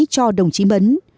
cho đồng chí mấn